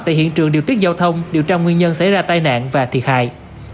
tại hiện trường điều tiết giao thông điều tra nguyên nhân xảy ra tai nạn và thiệt hại